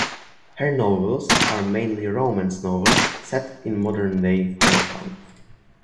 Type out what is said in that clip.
Her novels are mainly romance novels set in modern-day Hong Kong.